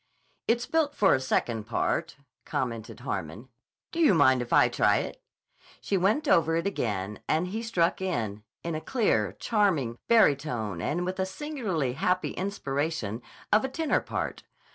"It's built for a second part," commented Harmon. "Do you mind if I try it?" So she went over it again, and he struck in, in a clear, charming barytone, and with a singularly happy inspiration of a tenor part.